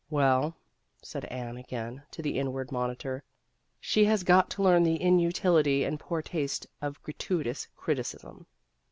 " Well," said Anne again to the inward monitor, " she has got to learn the inutility and poor taste of gratuitous criticism."